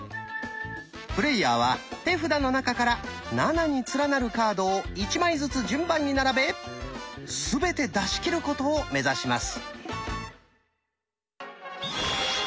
プレイヤーは手札の中から「７」に連なるカードを１枚ずつ順番に並べすべて出し切ることを目指します。